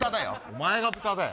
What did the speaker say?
お前が豚だよ！